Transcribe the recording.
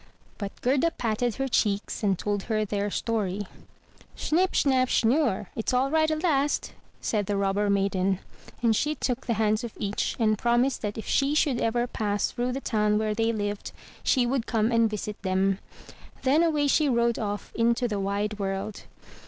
*' But Gerda patted her cheeks, and told her their story. " Schnipp schnapp schnurre, it*s all right at last/' said the Robber maiden; and she took the hands of each, and promised that if she should ever pass through the town where they lived, she would come and visit them. Then away she rode off into the wide world.